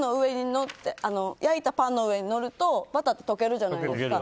焼いたパンの上にのるとバターって溶けるじゃないですか。